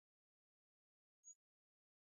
کلي د افغانستان په ستراتیژیک اهمیت کې دي.